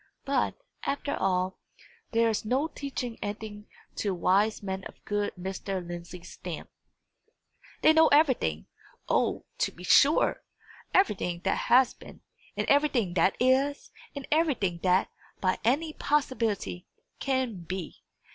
But, after all, there is no teaching anything to wise men of good Mr. Lindsey's stamp. They know everything O, to be sure! everything that has been, and everything that is, and everything that, by any future possibility, can be.